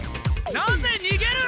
なぜにげる！？